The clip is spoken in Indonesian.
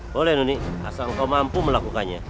boleh noni asal engkau mampu melakukannya